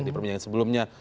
di perbincangan sebelumnya